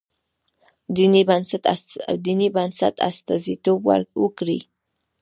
دیني بنسټ استازیتوب وکړي.